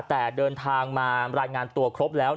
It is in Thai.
แต่เดินทางมารายงานตัวครบแล้ว